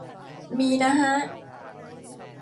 มีนะฮะ